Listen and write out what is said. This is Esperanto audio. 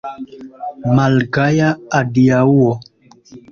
Malgaja adiaŭo!